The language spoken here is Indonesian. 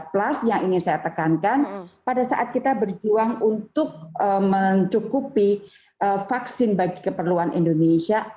plus yang ingin saya tekankan pada saat kita berjuang untuk mencukupi vaksin bagi keperluan indonesia